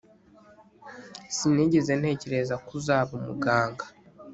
Sinigeze ntekereza ko uzaba umuganga